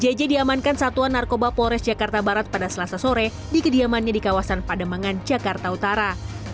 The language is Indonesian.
jj diamankan satuan narkoba polres jakarta barat pada selasa sore di kediamannya di kawasan pademangan jakarta utara